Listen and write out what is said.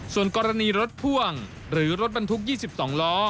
ส่วนกรณีรถพ่วงหรือรถบรรทุก๒๒ล้อ